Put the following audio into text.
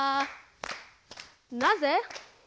なぜ？